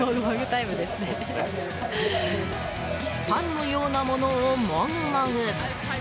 パンのようなものを、もぐもぐ。